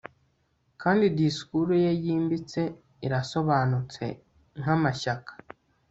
Kandi disikuru ye yimbitse irasobanutse nkamashyaka